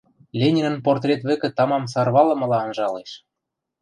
Ленинӹн портрет вӹкӹ тамам сарвалымыла анжалеш.